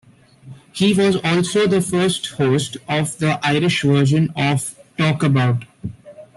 He was also the first host of the Irish version of "Talkabout".